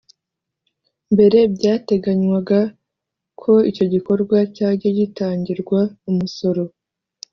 Mbere byateganywaga ko icyo gikorwa cyajya gitangirwa umusoro